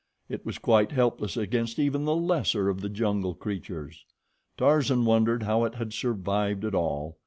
It was quite helpless against even the lesser of the jungle creatures. Tarzan wondered how it had survived at all.